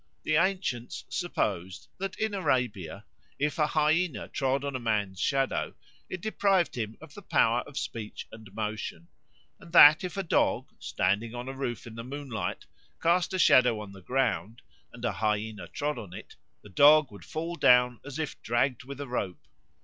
The ancients supposed that in Arabia, if a hyaena trod on a man's shadow, it deprived him of the power of speech and motion; and that if a dog, standing on a roof in the moonlight, cast a shadow on the ground and a hyaena trod on it, the dog would fall down as if dragged with a rope.